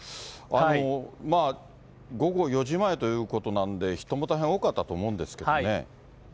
午後４時前ということなんで、人も大変多かったと思うんですけどね。